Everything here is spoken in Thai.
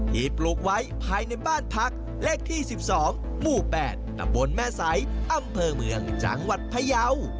ปลูกไว้ภายในบ้านพักเลขที่๑๒หมู่๘ตำบลแม่ใสอำเภอเมืองจังหวัดพยาว